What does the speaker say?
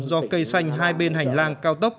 do cây xanh hai bên hành lang cao tốc